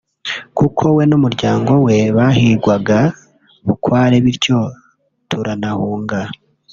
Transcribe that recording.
kuko we n’umuryango we bahigwaga bukware bityo turanahungana